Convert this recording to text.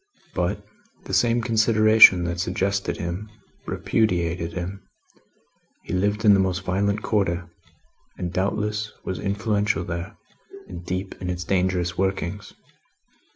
But, the same consideration that suggested him, repudiated him; he lived in the most violent Quarter, and doubtless was influential there, and deep in its dangerous workings.